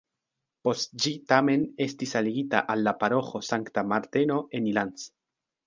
Post ĝi tamen estis aligita al la paroĥo Sankta Marteno en Ilanz.